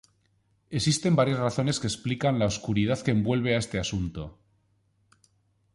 Existen varias razones que explican la oscuridad que envuelve a este asunto.